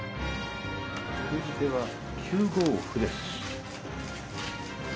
封じ手は９五歩です。